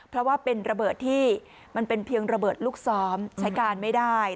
เพราะว่าเป็นระเบิดที่มันเป็นเพียงระเบิดลูกซ้อมใช้การไม่ได้